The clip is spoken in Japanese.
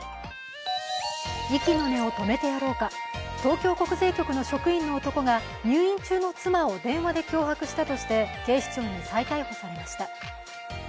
息の根を止めてやろうか、東京国税局の職員の男が入院中の妻を電話で脅迫したとして警視庁に再逮捕されました。